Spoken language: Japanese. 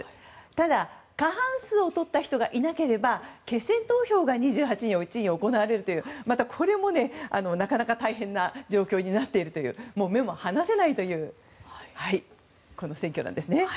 ただ、過半数を取った人がいなければ決選投票が２８日に行われるということでまたこれも、なかなか大変な状況になっているという目も離せないという選挙なんですね。